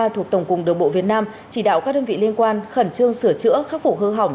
thuộc tổng cục đường bộ việt nam chỉ đạo các đơn vị liên quan khẩn trương sửa chữa khắc phục hư hỏng